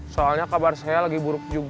soalnya kabar saya lagi buruk juga